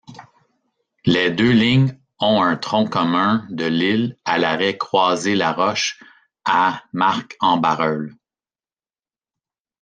Les deux lignes ont un tronc commun de Lille à l'arrêt Croisé-Laroche à Marcq-en-Barœul.